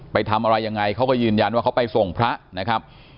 ไปทำอะไรยังไงเขาก็ยืนยันว่าเขาไปส่งพระนะครับ